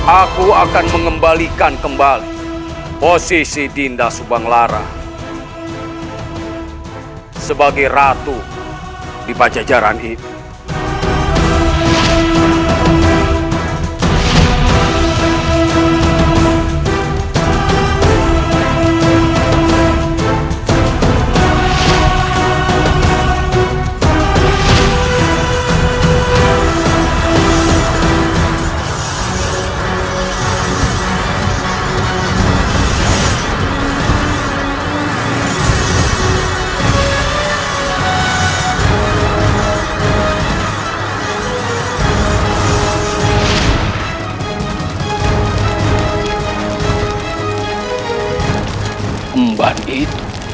aku akan mengembalikan kembali posisi dinda subang lara sebagai ratu di pajajaran itu